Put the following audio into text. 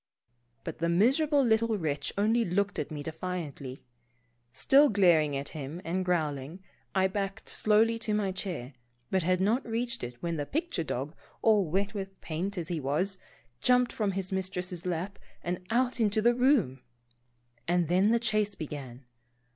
But the miserable little wretch only looked at Pomposity. 197 me defiantly. Still glaring at him and growling, I backed slowly to my chair, but had not reached it when the picture dog, all wet with paint as he was, jumped from his mistress's lap, and out into the room ! And then the chase began.